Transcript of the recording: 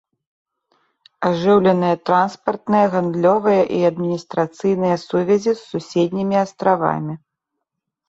Ажыўленыя транспартныя, гандлёвыя і адміністрацыйныя сувязі з суседнімі астравамі.